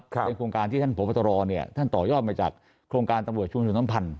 เป็นโครงการที่ท่านพบตรท่านต่อยอดมาจากโครงการตำรวจชุมชนน้ำพันธ